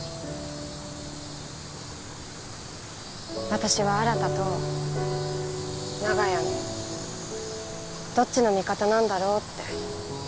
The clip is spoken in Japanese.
私は新と長屋のどっちの味方なんだろうって。